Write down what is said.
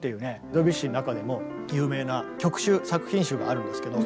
ドビュッシーの中でも有名な曲集作品集があるんですけど